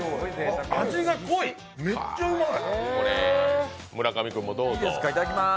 味が濃い、めっちゃうまい。